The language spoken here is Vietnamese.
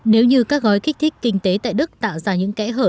nếu như các gói kích thích kinh tế tại đức tạo ra những kẽ hở